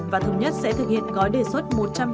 và thường nhất sẽ thực hiện gói đề xuất